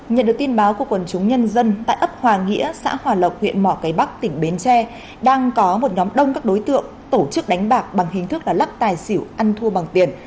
nhận được tin báo của quần chúng nhân dân tại ấp hòa nghĩa xã hòa lộc huyện mỏ cái bắc tỉnh bến tre đang có một nhóm đông các đối tượng tổ chức đánh bạc bằng hình thức là lắc tài xỉu ăn thua bằng tiền